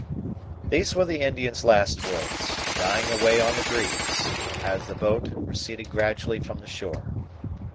These were the Indian's last words, dying away on the breeze, as the boat receded gradually from the shore.